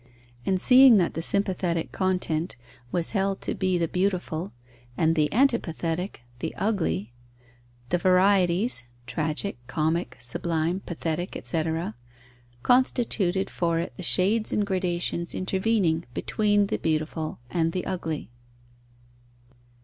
And seeing that the sympathetic content was held to be the beautiful and the antipathetic the ugly, the varieties (tragic, comic, sublime, pathetic, etc.) constituted for it the shades and gradations intervening between the beautiful and the ugly.